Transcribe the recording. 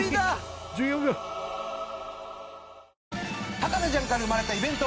『博士ちゃん』から生まれたイベント